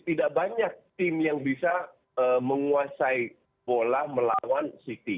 tidak banyak tim yang bisa menguasai bola melawan city